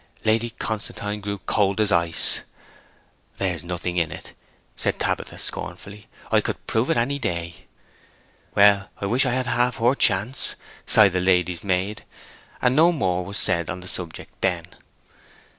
Lady Constantine grew cold as ice. 'There's nothing in it,' said Tabitha scornfully. 'I could prove it any day.' 'Well, I wish I had half her chance!' sighed the lady's maid. And no more was said on the subject then.